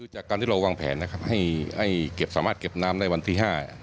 จากการที่เราวางแผนให้สามารถเก็บน้ำได้วันที่๕